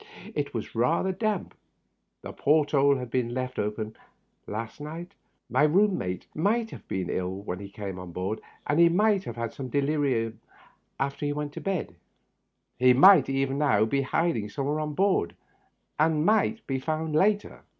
It was rather damp. The port hole had been left open last night. My room mate might have been ill when he came on board, and he might have become delirious after he went to bed. He might even now be hiding somewhere on board, and might be found later.